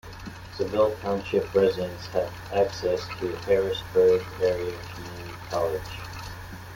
Saville Township residents have access to Harrisburg Area Community College.